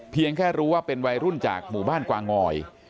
แค่รู้ว่าเป็นวัยรุ่นจากหมู่บ้านกวางอย